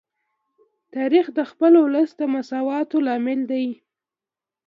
تاریخ د خپل ولس د مساوات لامل دی.